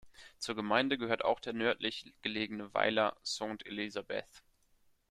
Zur Gemeinde gehört auch der nördlich gelegene Weiler Sainte-Elisabeth.